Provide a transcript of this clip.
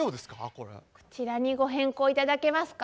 こちらにご変更頂けますか？